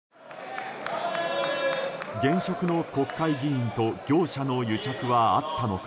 現職の国会議員と業者の癒着はあったのか。